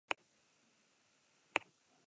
Abstentzioaren aldeko hautua egin izan dute.